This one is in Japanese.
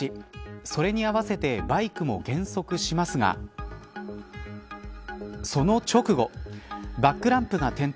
それに合わせてバイクも減速しますがその直後バックランプが点灯。